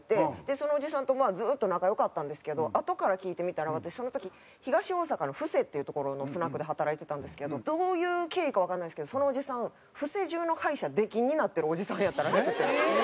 そのおじさんとずっと仲良かったんですけどあとから聞いてみたら私その時東大阪の布施っていう所のスナックで働いてたんですけどどういう経緯かわかんないんですけどそのおじさん布施中の歯医者出禁になってるおじさんやったらしくて。